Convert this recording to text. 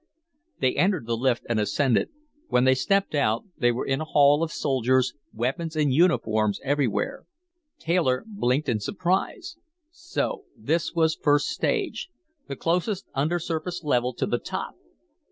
They entered the lift and ascended. When they stepped out, they were in a hall of soldiers, weapons and uniforms everywhere. Taylor blinked in surprise. So this was first stage, the closest undersurface level to the top!